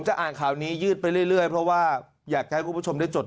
อ่านข่าวนี้ยืดไปเรื่อยเพราะว่าอยากจะให้คุณผู้ชมได้จด